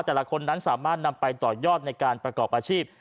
แต่ละคนนั้นสามารถนำไปต่อยอดในการประกอบอาชีพ